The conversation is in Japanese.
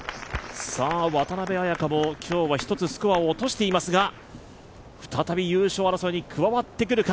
渡邉彩香も今日は１つスコアを落としていますが再び優勝争いに加わってくるか。